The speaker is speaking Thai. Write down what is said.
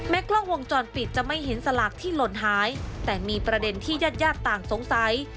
กล้องวงจรปิดจะไม่เห็นสลากที่หล่นหายแต่มีประเด็นที่ญาติญาติต่างสงสัย